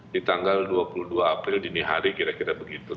di tanggal dua puluh dua april dini hari kira kira begitu